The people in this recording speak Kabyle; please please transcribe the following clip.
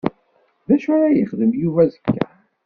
Dacu ara yexdem Yuba azekka?